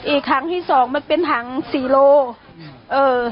อีกครั้งที่สองมันเป็นถังสี่โลเอ่อ